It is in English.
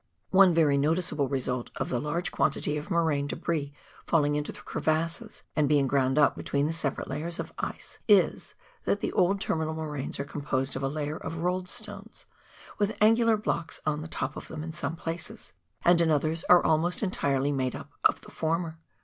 One very noticeable result of the large quantity of morainic debris falling into the crevasses, and being ground up between the separate layers of ice, is, that the old terminal moraines are composed of a layer of rolled stones, with angular blocks on the top of them in some places, and in others are almost entirely made up of the former.